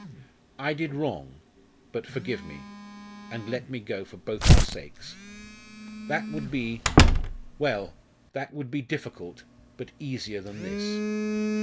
I did wrong, but forgive me, and let me go for both our sakes' that would be well! that would be difficult, but easier than this!